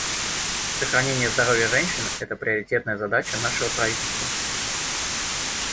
Сохранение здоровья женщин — это приоритетная задача нашего правительства.